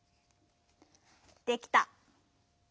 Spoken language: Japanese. できた。